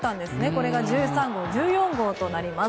これが１３号、１４号となります。